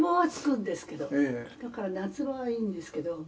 「だから夏場はいいんですけど」